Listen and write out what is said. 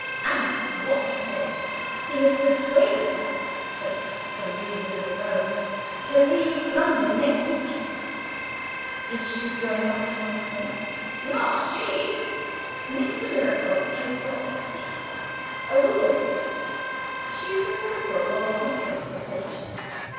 And, what's more, he has persuaded her (for some reasons of his own) to leave London next week." "Is she going back to Monksmoor?" "Not she! Mr. Mirabel has got a sister, a widow lady; she's a cripple, or something of the sort.